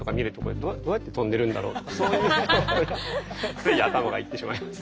つい頭がいってしまいます。